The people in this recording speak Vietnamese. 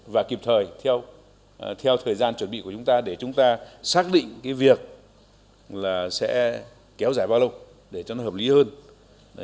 và kịp thời theo thời gian chuẩn bị của chúng ta để chúng ta xác định cái việc là sẽ kéo dài bao lâu để cho nó hợp lý hơn